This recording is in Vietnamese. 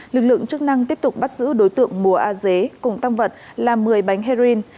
lực lượng chức năng tiếp tục bắt giữ đối tượng mùa a dế cùng tăng vật là một mươi bánh heroin